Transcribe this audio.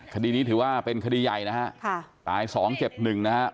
คดีนี้ถือว่าเป็นคดีใหญ่นะฮะตาย๒เจ็บ๑นะฮะ